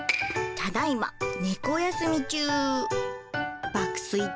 ただいま猫休み中。